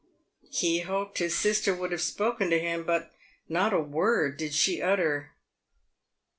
He hoped his sister would have spoken to him, but not a word did she utter.